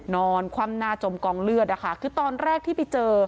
นอนคว่ำหน้าจมกองเลือดนะคะคือตอนแรกที่ไปเจอ